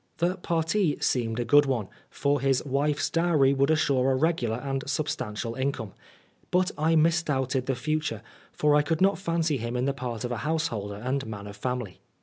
The parti seemed a good one, for his wife's dowry would assure a regular and Oscar Wilde substantial income. But I misdoubted the future, for I could not fancy him in the part of a householder and man of family.